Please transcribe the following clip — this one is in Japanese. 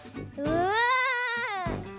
うわ。